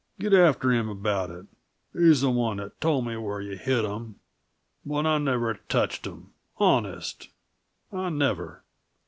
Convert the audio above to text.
Get after him about it; he's the one told me where yuh hid 'em but I never touched 'em, honest I never.